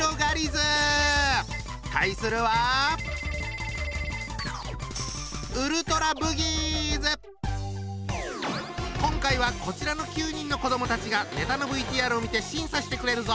対するは今回はこちらの９人の子どもたちがネタのＶＴＲを見て審査してくれるぞ。